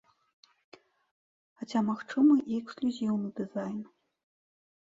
Хаця магчымы і эксклюзіўны дызайн.